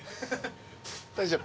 大丈夫？